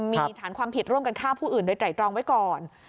มีฐานความผิดร่วมกันฆ่าผู้อื่นโดยไตรตรองไว้ก่อน